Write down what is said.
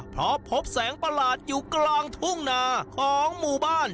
เพราะพบแสงประหลาดอยู่กลางทุ่งนาของหมู่บ้าน